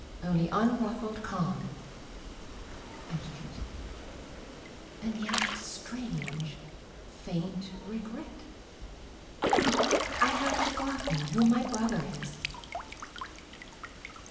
Only unruffled calm; and yet — and yet — Strange, faint regret — I have forgotten who my brother is!